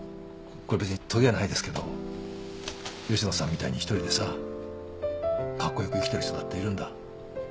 これ別にとげはないですけど吉野さんみたいに一人でさカッコ良く生きてる人だっているんだ。